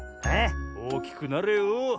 おおきくなれよ。